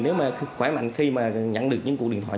nếu mà khỏe mạnh khi mà nhận được những cuộc điện thoại